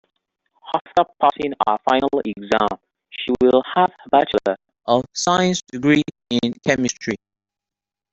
After passing her final exam she will have a bachelor of science degree in chemistry.